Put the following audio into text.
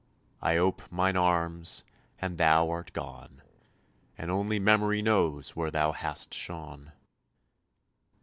I ope mine arms, and thou art gone, And only Memory knows where thou hast shone.